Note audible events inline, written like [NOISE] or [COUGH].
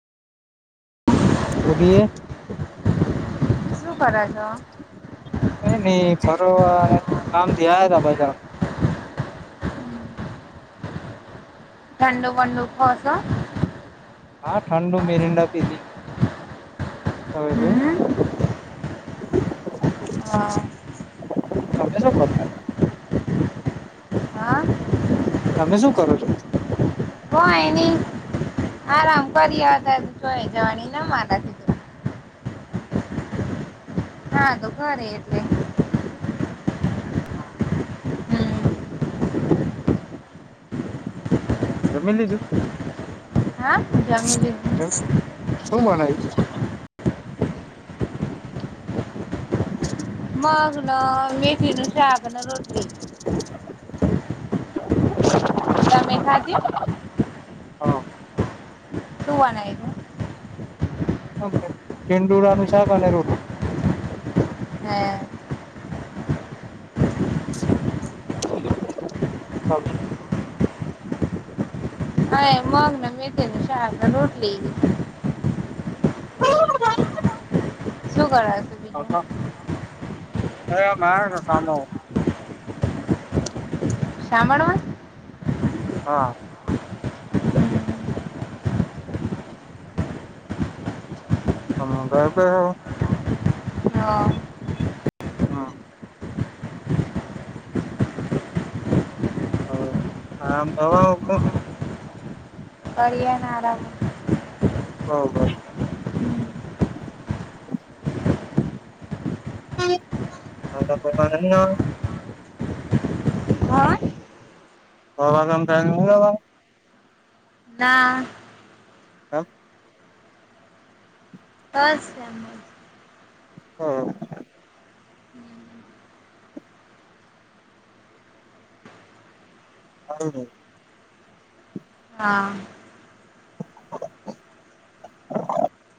બોલીએ, શું કરો છો નહી ફરો કામ થી આવયા તા બજાર. [INAUDIBLE] ઠંડુ વંડુ પીસો? હા ઠંડુ મેરંડા પીધી. અવે બે [INAUDIBLE] હમ હા તમે શું કરતા હતા હા તમે શું કરો છો? કોઈ નઈ આરામ કરી્યા હતા જોઈ જવાની મારા તિતો હા તો ખરે એટલે હમ્મ જમી લીથું હા જમી લીઘુંસ [INAUDIBLE] [INAUDIBLE] માગ નો મેઠી નું શાક અને રોટી [INAUDIBLE] તમે ખાદી હા શુ બનાયુતુ ડીંડોના નું શાક અને રોટલી હા [INAUDIBLE] હા એ મગને મેથી નું શાક ને રોટલી [INAUDIBLE] શું કરેસ [UNINTELLIGIBLE] અરે [UNINTELLIGIBLE] સામુ [UNINTELLIGIBLE] હા હ [UNINTELLIGIBLE] હ હા ભવા- અળિયા ના આરા બરોબર [UNINTELLIGIBLE] હા [UNINTELLIGIBLE] ના હા બસ એમજ હ આવજે હા